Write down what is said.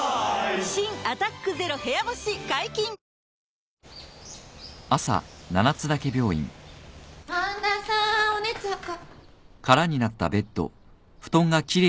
新「アタックＺＥＲＯ部屋干し」解禁‼半田さーんお熱はか。